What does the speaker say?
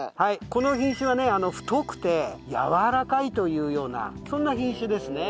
この品種はね太くてやわらかいというようなそんな品種ですね。